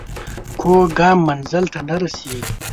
کوږ ګام منزل ته نه رسېږي